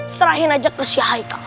serahin aja ke si haikal